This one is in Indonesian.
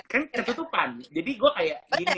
kan ketutupan jadi gue kayak gini